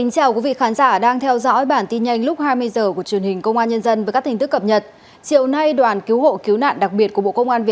cảm ơn các bạn đã theo dõi